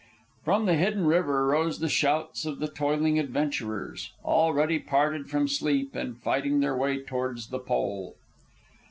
From the hidden river rose the shouts of the toiling adventurers, already parted from sleep and fighting their way towards the Pole.